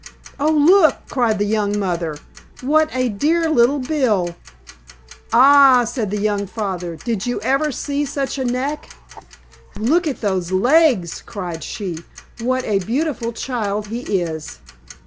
"Oh, look!" cried the young mother. "What a dear little bill!" "Ah!" said the young father. "Did you ever see such a neck?" "Look at those legs," cried she. "What a beautiful child he is!"